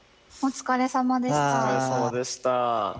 お疲れさまです。